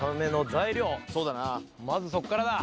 まずそっからだ